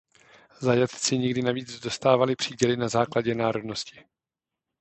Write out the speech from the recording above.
Zajatci někdy navíc dostávali příděly na základě národnosti.